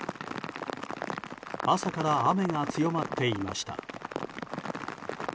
朝から雨が強まっていました。